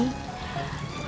dia sudah pulang lagi